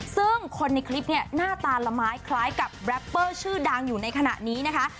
ซึ่งคนในคลิปเนี่ยหน้าตาละไม้คล้ายกับแรปเปอร์ชื่อดังอยู่ในขณะนี้นะคะ